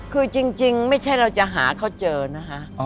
คือจริงไม่ใช่เราจะหาเขาเจอนะคะ